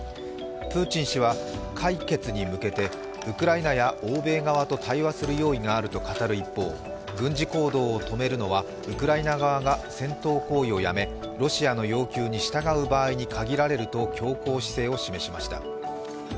プーチン氏は解決に向けてウクライナや欧米側と対話する用意があると語る一方、軍事行動を止めるのはウクライナ側が戦闘行為をやめロシアの要求に従う場合に限られると強硬姿勢を示しました。